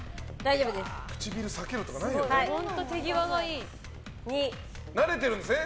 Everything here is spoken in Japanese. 唇が裂けるとかないよね。